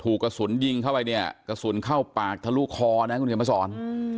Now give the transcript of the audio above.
ถูกกระสุนยิงเข้าไปเนี่ยกระสุนเข้าปากทะลูกคอนะครับคุณเจมส์พระสอน